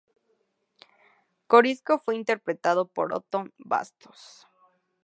Corisco fue interpretado por Othon Bastos.